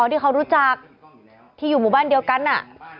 ที่เขารู้จักที่อยู่หมู่บ้านเดียวกันอ่ะ